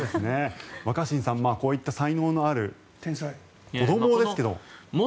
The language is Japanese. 若新さんこういった才能のある子どもですけども。